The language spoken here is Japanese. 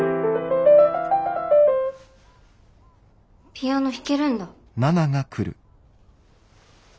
ピアノ弾けるんだ。